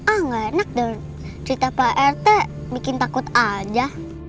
enggak enak dong cerita pak rt bikin takut aja